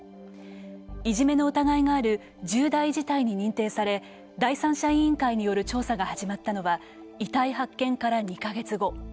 いじめの疑いがある重大事態に認定され第三者委員会による調査が始まったのは遺体発見から２か月後。